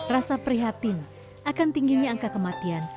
rasa prihatin akan tingginya angka kematian